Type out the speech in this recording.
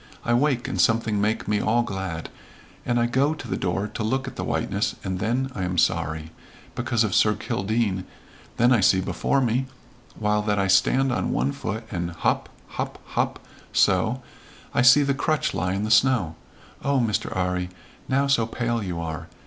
I wake and something make me all glad and I go to the door to look at the whiteness, and then I am sorry, because of Sir Kildene, then I see before me while that I stand on one foot, and hop hop hop so, I see the crutch lie in the snow. Oh, Mr. 'Arry, now so pale you are!